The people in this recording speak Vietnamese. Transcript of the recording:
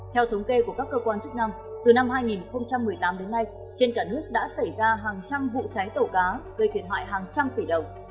theo thống kê của các cơ quan chức năng từ năm hai nghìn một mươi tám đến nay trên cả nước đã xảy ra hàng trăm vụ cháy tàu cá gây thiệt hại hàng trăm tỷ đồng